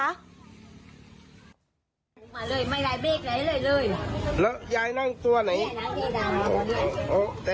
มาเลยไม่ได้เบรคไอ้เลยเลยแล้วยายนั่งตัวไหนนี่นะอ๋อ